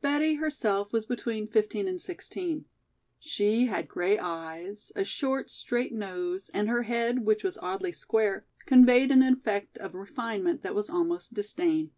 Betty herself was between fifteen and sixteen. She had gray eyes, a short, straight nose and her head, which was oddly square, conveyed an effect of refinement that was almost disdain.